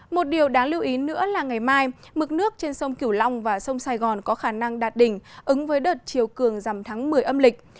một điều đáng lưu ý nữa là ngày mai mực nước trên sông kiểu long và sông sài gòn có khả năng đạt đỉnh ứng với đợt chiều cường dầm tháng một mươi âm lịch